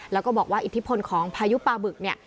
แล้วก็บอกว่าอิทธิพลของพายุปลาบึกเนี่ย